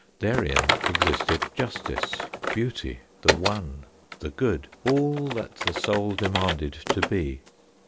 Therein existed justice, beauty the one, the good, all that the soul demanded to be.